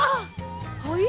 はい？